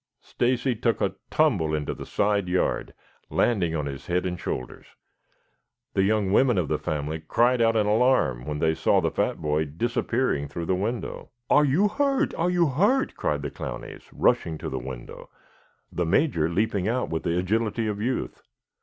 Stacy took a tumble into the side yard, landing on his head and shoulders. The young women of the family cried out in alarm when they saw the fat boy disappearing through the window. "Are you hurt? Are you hurt?" cried the Clowneys, rushing to the window, the Major leaping out with the agility of youth.